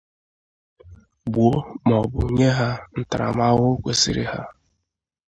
gbuo maọbụ nye ha ntaramahụ kwesiri ha